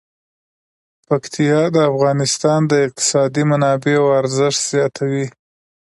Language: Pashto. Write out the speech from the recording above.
پکتیا د افغانستان د اقتصادي منابعو ارزښت زیاتوي.